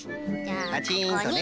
カチンとね。